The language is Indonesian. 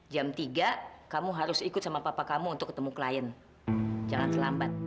jam tiga kamu harus ikut sama papa kamu untuk ketemu klien jangan selamat